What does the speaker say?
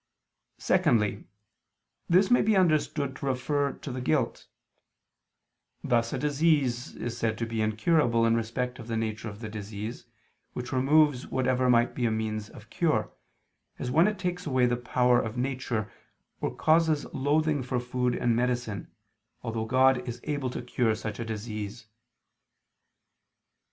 Secondly, this may be understood to refer to the guilt: thus a disease is said to be incurable in respect of the nature of the disease, which removes whatever might be a means of cure, as when it takes away the power of nature, or causes loathing for food and medicine, although God is able to cure such a disease.